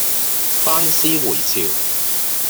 班師回朝